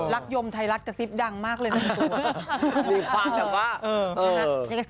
ลักษณ์ยมไทยรัฐกระซิบดังมากเลยนั่นประตู